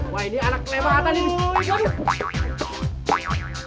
wah ini anak lemah kata nih